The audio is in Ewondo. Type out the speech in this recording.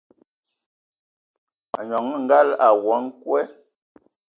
A nɔŋɔ ngal a woa a nkwe.